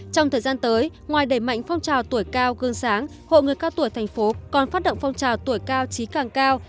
trong thời gian tới ngoài đẩy mạnh phong trào tuổi cao gương sáng hội người cao tuổi thành phố còn phát động phong trào tuổi cao trí càng cao